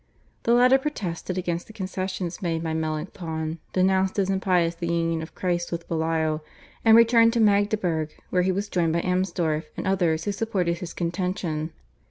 The latter protested against the concessions made by Melanchthon, denounced as impious the union of Christ with Belial, and returned to Magdeburg, where he was joined by Amsdorf and others who supported his contention.